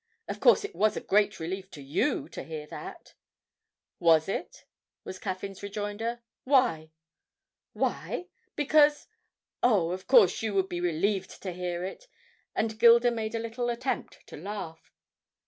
Of course it was a great relief to you to hear that?' 'Was it?' was Caffyn's rejoinder; 'why?' 'Why? Because oh, of course you would be relieved to hear it!' and Gilda made a little attempt to laugh.